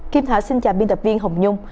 kim thảo xin chào biên tập viên hồng nhung